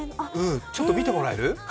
ちょっと見てもらえる？